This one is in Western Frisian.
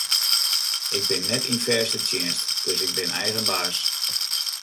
Ik bin net yn fêste tsjinst, dus ik bin eigen baas.